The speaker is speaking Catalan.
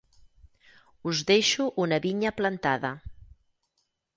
Us deixo una vinya plantada;